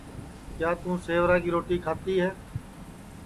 کیا توں سیورا کی روٹی کھاتی ہے